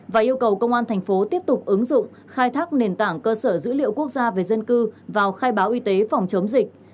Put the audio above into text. và yêu cầu công an thành phố tiếp tục ứng dụng khai thác nền tảng cơ sở dữ liệu quốc gia về dân cư vào khai báo y tế phòng chống dịch